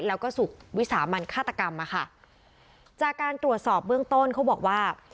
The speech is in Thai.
แล้วก็สุขวิสามันฆาตกรรมอะค่ะจากการตรวจสอบเบื้องต้นเขาบอกว่า